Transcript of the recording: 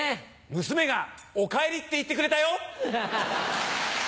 娘が「おかえり」って言ってくれたよ！